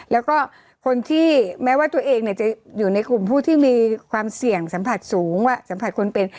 แล้วก็คนที่แม้ว่าตัวเองจะอยู่ในกลุ่มผู้ที่มีความเสี่ยงสัมผัสสูงว่าสัมผัสคนเป็น